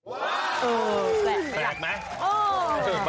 ว้าวแปลกแปลกมั้ย